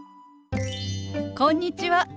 こんにちは。